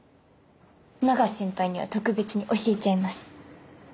永瀬先輩には特別に教えちゃいます。